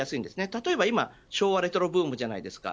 例えば今、昭和レトロブームじゃないですか。